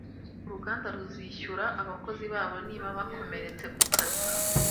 Uruganda ruzishyura abakozi babo niba bakomeretse kukazi